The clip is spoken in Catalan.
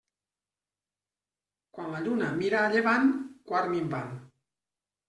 Quan la lluna mira a llevant, quart minvant.